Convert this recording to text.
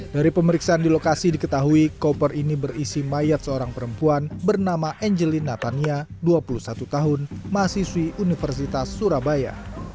dari pemeriksaan di lokasi diketahui koper ini berisi mayat seorang perempuan bernama angeline natania dua puluh satu tahun mahasiswi universitas surabaya